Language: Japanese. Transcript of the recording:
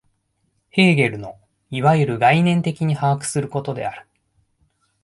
ヘーゲルのいわゆる概念的に把握することである。